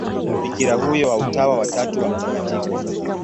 Bikira huyo wa Utawa wa Tatu wa Mt.